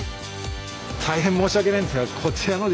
大変申し訳ないんですがこちらのですね。